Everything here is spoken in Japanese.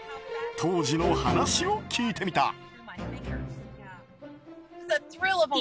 当時の話を聞いてみた。